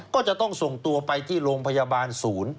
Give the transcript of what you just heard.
ก็จะต้องส่งตัวไปที่โรงพยาบาลศูนย์